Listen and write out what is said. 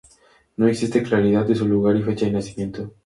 No existe claridad de su lugar y fecha de nacimiento.